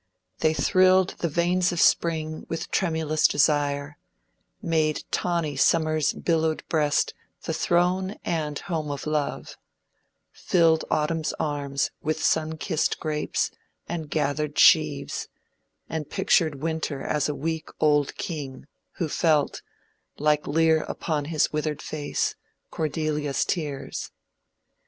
They thrilled the veins of Spring with tremulous desire; made tawny Summer's billowed breast the throne and home of love; filled Autumns arms with sun kissed grapes, and gathered sheaves; and pictured Winter as a weak old king who felt, like Lear upon his withered face, Cordelia's tears.